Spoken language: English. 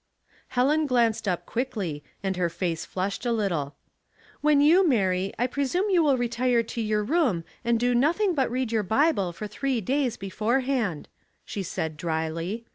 Helen glanced up quickly, and her face flushed a little. " When you marry, 1 presume you will retire to your room and do nothing but read your Bible for three days beforehand," she said, dryly.